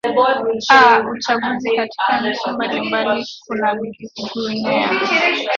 a uchaguzi katika nchi mbalimbali kuna guinea